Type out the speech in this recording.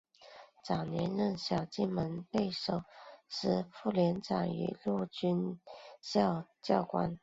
早年任小金门守备师副连长与陆军官校教官。